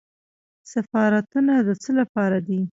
سفارتونه د څه لپاره دي؟